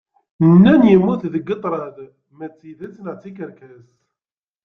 Nnan yemmut deg ṭṭrad, ma d tidett neɣ d tikerkas